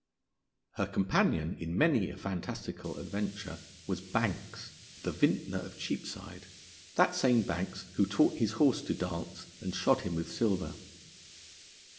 Her companion in many a fantastical adventure was Banks, the vintner of Cheapside, that same Banks who taught his horse to dance and shod him with silver.